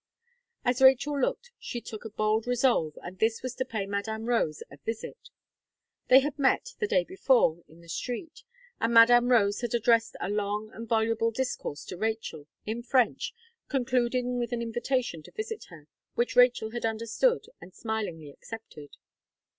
As Rachel looked, she took a bold resolve, and this was to pay Madame Rose a visit. They had met, the day before, in the street; and Madame Rose had addressed a long and voluble discourse to Rachel, in French, concluding with an invitation to visit her, which Rachel had understood, and smilingly accepted.